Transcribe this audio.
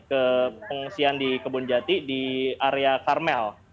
ke pengungsian di kebun jati di area karmel